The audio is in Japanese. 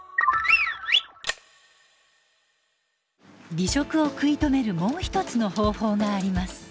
離職を食い止めるもう１つの方法があります。